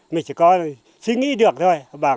mình chỉ có suy nghĩ được thôi